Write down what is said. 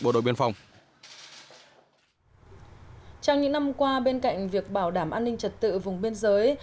bộ đội biên phòng trong những năm qua bên cạnh việc bảo đảm an ninh trật tự vùng biên giới